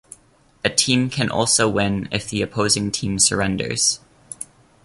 A team can also win if the opposing team surrenders.